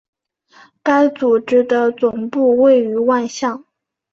该组织的总部位于万象。